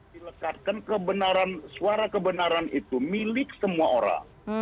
dilekatkan kebenaran suara kebenaran itu milik semua orang